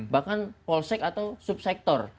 bahkan polsek atau subsektor